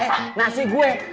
eh eh nasi gue